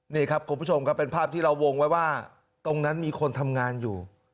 นี่ครับคุณผู้ชมครับเป็นภาพที่เราวงไว้ว่าตรงนั้นมีคนทำงานอยู่